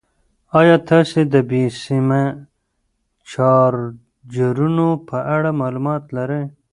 ایا تاسو د بې سیمه چارجرونو په اړه معلومات لرئ؟